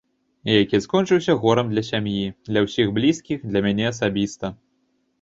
Які скончыўся горам для сям'і, для ўсіх блізкіх, для мяне асабіста.